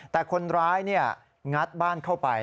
แต่คนร้ายงัดบ้านเข้าไป